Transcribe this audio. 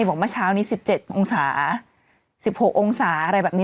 บอกเมื่อเช้านี้๑๗องศา๑๖องศาอะไรแบบนี้